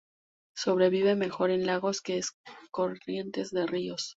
Sobrevive mejor en lagos que en corrientes de ríos.